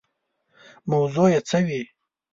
موضوع یې څه وي.